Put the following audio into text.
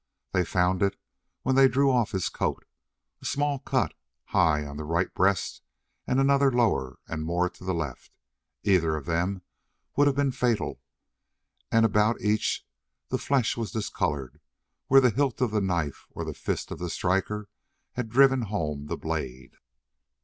They found it when they drew off his coat a small cut high on the right breast, and another lower and more to the left. Either of them would have been fatal, and about each the flesh was discolored where the hilt of the knife or the fist of the striker had driven home the blade.